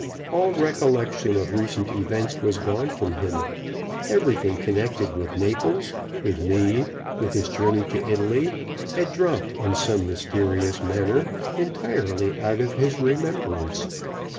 All recollection of recent events was gone from him. Everything connected with Naples, with me, with his journey to Italy, had dropped in some mysterious manner entirely out of his remembrance.